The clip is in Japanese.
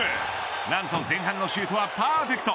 何と前半のシュートはパーフェクト。